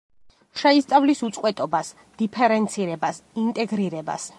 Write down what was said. შეისწავლის უწყვეტობას, დიფერენცირებას, ინტეგრირებას.